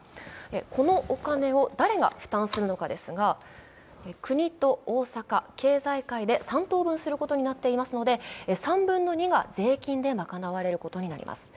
このお金を誰が負担するのかですが、国と大阪経済界で３等分することになっていますので、３分の２が税金で賄われることになります。